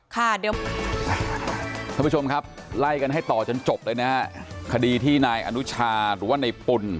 ท่านผู้ชมครับไล่กันให้ต่อจนจบเลยนะฮะคดีที่นายอนุชาหรือว่าในปุ่น